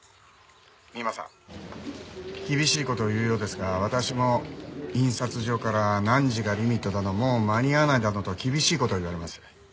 三馬さん厳しい事を言うようですが私も印刷所から何時がリミットだのもう間に合わないだのと厳しい事を言われます。